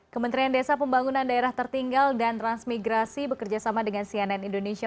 kementerian desa pembangunan daerah tertinggal dan transmigrasi bekerja sama dengan cnn indonesia